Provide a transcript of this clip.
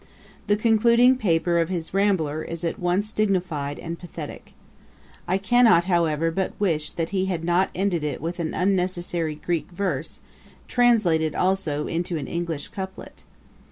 The concluding paper of his Rambler is at once dignified and pathetick. I cannot, however, but wish that he had not ended it with an unnecessary Greek verse, translated also into an English couplet.